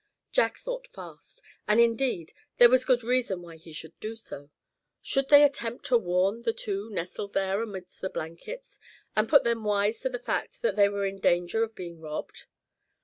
Jack thought fast, and indeed, there was good reason why he should do so. Should they attempt to warn the two nestled there amidst the blankets, and put them wise to the fact that they were in danger of being robbed?